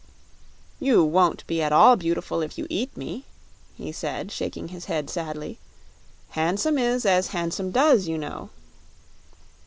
"You won't be at all beautiful if you eat me," he said, shaking his head sadly. "Handsome is as handsome does, you know."